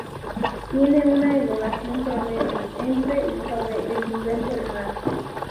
Tiene una elevación promedio entre y sobre el nivel del mar.